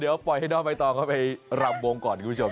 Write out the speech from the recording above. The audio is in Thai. เดี๋ยวปล่อยให้น้องใบตองเข้าไปรำวงก่อนคุณผู้ชม